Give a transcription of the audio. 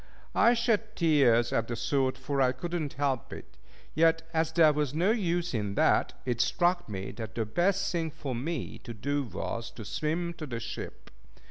I shed tears at the thought, for I could not help it; yet, as there was no use in that, it struck me that the best thing for me to do was to swim to the ship.